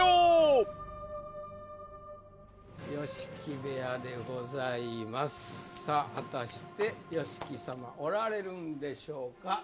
部屋でございますさあ果たしてＹＯＳＨＩＫＩ様おられるんでしょうか？